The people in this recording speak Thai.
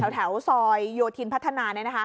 แถวซอยโยธินพัฒนา